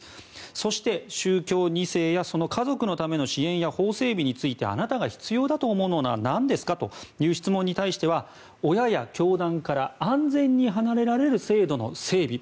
そして、宗教２世やその家族のための支援や法整備についてあなたが必要だと思うものは何ですかという質問に対しては親や教団から安全に離れられる制度の整備。